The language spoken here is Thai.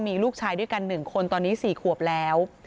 มีลูกชายด้วยกัน๑คนตอนนี้๔ขวบแล้ว